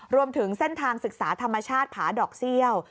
รวมถึงเส้นทางศึกษาธรรมชาติผาดอกเซี่ยว